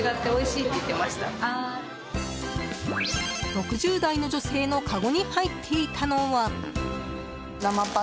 ６０代の女性のかごに入っていたのは。